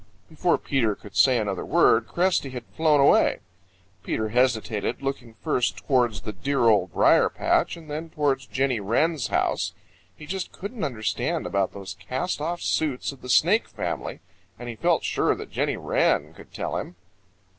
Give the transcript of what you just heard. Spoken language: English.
Before Peter could say another word Cresty had flown away. Peter hesitated, looking first towards the dear Old Briar patch and then towards Jenny Wren's house. He just couldn't understand about those cast off suits of the Snake family, and he felt sure that Jenny Wren could tell him.